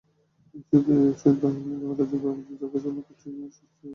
শিগগিরই তাই ভাড়া বাড়িতে থাকার কষ্টের জীবন শেষ হতে চলেছে মিরাজের পরিবারের।